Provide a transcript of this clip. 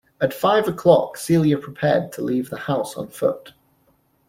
At five o'clock, Celia prepared to leave the house on foot.